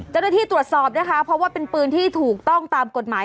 เจ้าหน้าที่ตรวจสอบนะคะเพราะว่าเป็นปืนที่ถูกต้องตามกฎหมาย